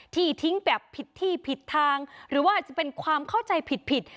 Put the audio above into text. ที่ทิ้งแบบผิดที่ผิดทางหรือว่าอาจจะเป็นความเข้าใจผิดผิด